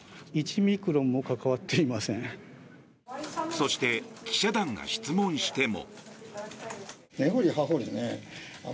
そして記者団が質問しても。